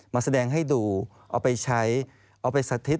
มาแสดงให้ดูเอาไปใช้เอาไปสถิต